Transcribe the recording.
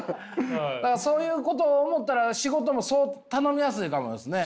そういうことを思ったら仕事も頼みやすいかもですね。